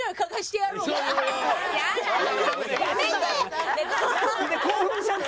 やめて！